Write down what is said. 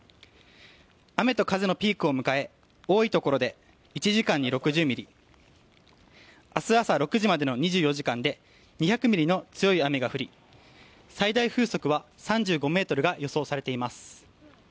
雨と風のピークを迎え多いところで１時間に６０ミリ明日朝６時までの２４時間で２００ミリの強い雨が降り最大風速は３５ｍが予想されています。